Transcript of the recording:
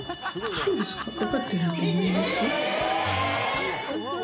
そうですか？